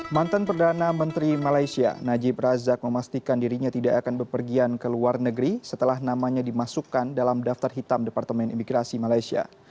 mantan perdana menteri malaysia najib razak memastikan dirinya tidak akan berpergian ke luar negeri setelah namanya dimasukkan dalam daftar hitam departemen imigrasi malaysia